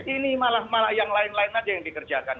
ini malah malah yang lain lain aja yang dikerjakan